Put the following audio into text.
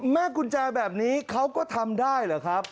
แม่กุญแจแบบนี้เขาก็ทำได้เหรอครับ